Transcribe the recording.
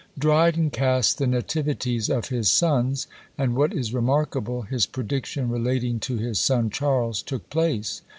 Dryden cast the nativities of his sons; and, what is remarkable, his prediction relating to his son Charles took place.